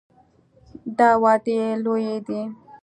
دا وعدې لویې دي.